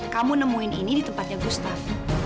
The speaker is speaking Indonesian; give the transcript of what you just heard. kamu nemuin ini di tempatnya gustaf